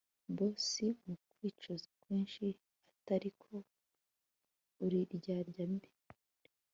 Boss mukwicuza kwinshi atiariko uriryarya mbi